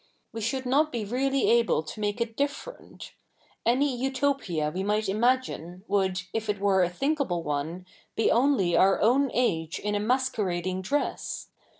We should not be really able to 7?iake it diffe7'etit. A7iy Utopia we 77iight i7?iagi7ie zvould, if it were a thinkable one, be only our oiV7i age i?i a 7nasquerading dress.